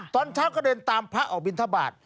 ตอนเช้าก็เดินตามพระออกบินทบาท